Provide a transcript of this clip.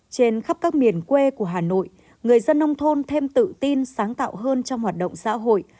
trên khắp các miền quê của hà nội người dân nông thôn thêm tự tin sáng tạo hơn trong hoạt động xã hội